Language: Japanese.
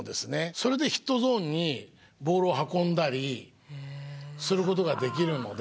それでヒットゾーンにボールを運んだりすることができるので。